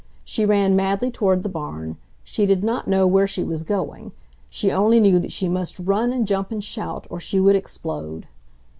She ran madly toward the barn. She did not know where she was going. She only knew that she must run and jump and shout, or she would explode.